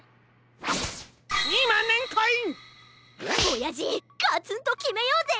おやじガツンときめようぜ！